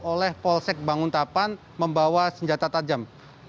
oleh polsek banguntapan membawa senjata tajam